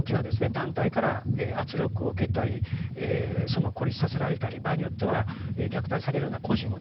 団体から圧力を受けたり孤立させられたり場合によっては虐待されるような個人をですね